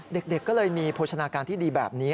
เด็กก็เลยมีโภชนาการที่ดีแบบนี้